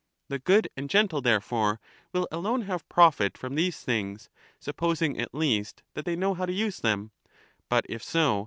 The good and gentle, therefore, will alone have profit from these things, supposing at least that they know how to use them. But if so.